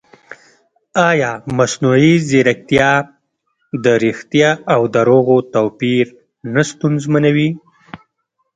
ایا مصنوعي ځیرکتیا د ریښتیا او دروغو توپیر نه ستونزمنوي؟